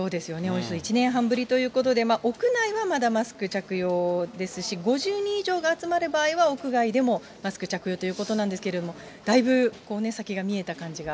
およそ１年半ぶりということで、屋内はまだマスク着用ですし、５０人以上が集まる場合は屋外でもマスク着用ということなんですけれども、だいぶ先が見えた感じが。